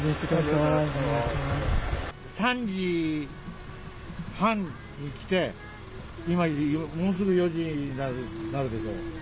３時半に来て、今、もうすぐ４時になるでしょ。